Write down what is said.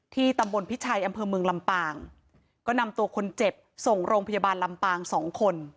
ตำบลพิชัยอำเภอเมืองลำปางก็นำตัวคนเจ็บส่งโรงพยาบาลลำปางสองคน